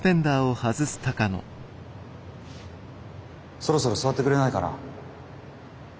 そろそろ座ってくれないかな？